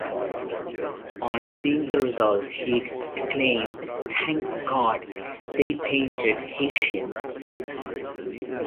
On seeing the result he exclaimed Thank God!, they painted Haitians.